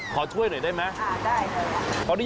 ขอช่วยหน่อยได้ไหม